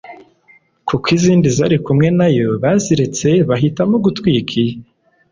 Kuko izindi zari kumwe nayo baziretse bahitamo gutwika iye